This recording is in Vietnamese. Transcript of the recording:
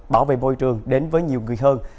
bảo vệ môi trường đến với nhiều người hơn